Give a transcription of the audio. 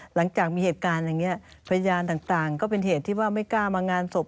หลังจากมีเหตุการณ์อย่างนี้พยานต่างก็เป็นเหตุที่ว่าไม่กล้ามางานศพ